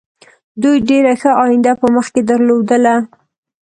دوی ډېره ښه آینده په مخکې درلودله.